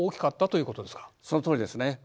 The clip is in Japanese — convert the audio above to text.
そのとおりですね。